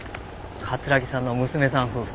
桂木さんの娘さん夫婦。